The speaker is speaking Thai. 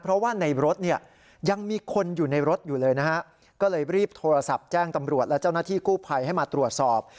เพราะว่าในรถเนี่ยยังมีคนอยู่ในรถอยู่เลยนะฮะก็เลยรีบโทรศัพท์แจ้งตำรวจและเจ้าหน้าที่กู้ภัยให้มาตรวจสอบ